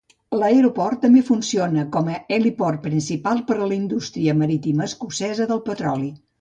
L'aeroport també funciona com a heliport principal per a la indústria marítima escocesa del petroli.